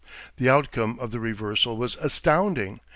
The outcome of the reversal was astounding.